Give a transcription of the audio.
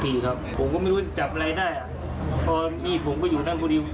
พอมีดผมก็อยู่นั่นพอมีดอยู่หลังตู้เย็น